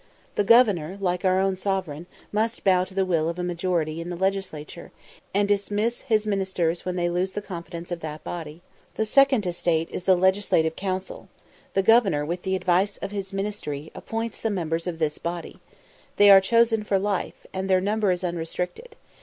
The governor, like our own Sovereign, must bow to the will of a majority in the Legislature, and dismiss his ministers when they lose the confidence of that body. The "second estate" is the Legislative Council. The governor, with the advice of his ministry, appoints the members of this body. They are chosen for life, and their number is unrestricted.